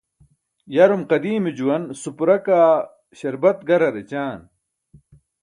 yarum qadiime juwan supra kaa śarbat garar ećaan